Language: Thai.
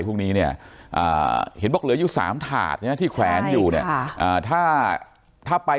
พรุ่งนี้เนี่ยเห็นว่าเหลืออยู่๓ถาดที่แขวนอยู่ถ้าไป